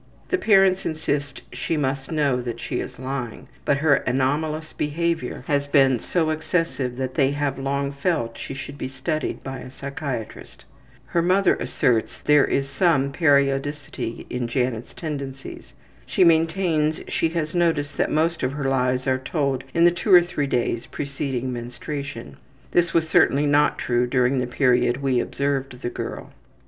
The parents insist she must know that she is lying, but her anomalous behavior has been so excessive that they have long felt she should be studied by a psychiatrist. Her mother asserts there is some periodicity in Janet's tendencies. She maintains she has noticed that most of her lies are told in the two or three days preceding menstruation. (This was certainly not true during the period we observed the girl.)